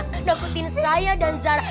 nakutin saya dan zara